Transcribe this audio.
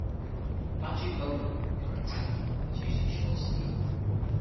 Baju bodo is rectangular and is usually short sleeved.